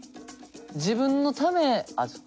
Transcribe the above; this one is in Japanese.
自分のためあっ